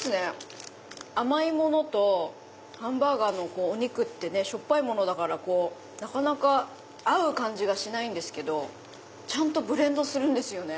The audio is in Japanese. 甘いものとハンバーガーのお肉ってしょっぱいものだからなかなか合う感じがしないんですけどちゃんとブレンドするんですよね